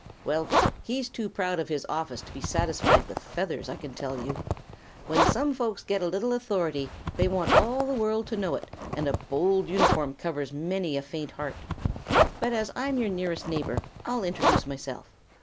"Well, he's too proud of his office to be satisfied with feathers, I can tell you. When some folks get a little authority they want all the world to know about it, and a bold uniform covers many a faint heart. But as I'm your nearest neighbor I'll introduce myself.